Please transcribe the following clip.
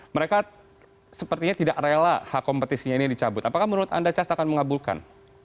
mereka sepertinya tidak rela hak kompetisinya ini dicabut apakah menurut anda cas akan mengabulkan